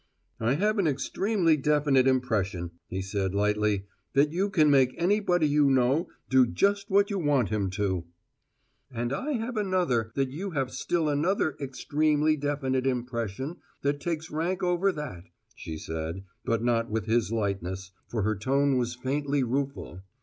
"I have an extremely definite impression," he said lightly, "that you can make anybody you know do just what you want him to." "And I have another that you have still another `extremely definite impression' that takes rank over that," she said, but not with his lightness, for her tone was faintly rueful.